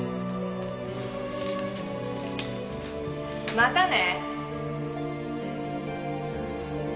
またね！